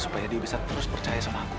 supaya dia bisa terus percaya sama aku